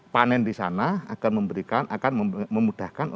panen di sana akan memberikan akan memudahkan